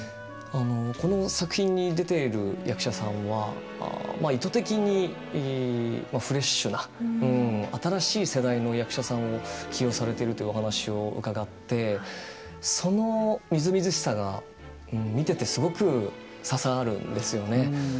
あのこの作品に出てる役者さんは意図的にフレッシュな新しい世代の役者さんを起用されているというお話を伺ってそのみずみずしさが見ててすごく刺さるんですよね。